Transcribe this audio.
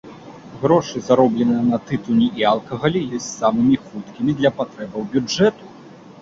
Грошы, заробленыя на тытуні і алкаголі, ёсць самымі хуткімі для патрэбаў бюджэту.